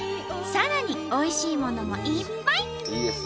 さらにおいしいものもいっぱい！